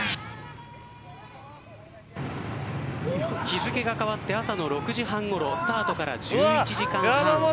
日付が変わって朝の６時半ごろスタートから１１時間半。